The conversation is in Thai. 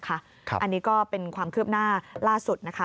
อันนี้ก็เป็นความเคลือบหน้าล่าสุด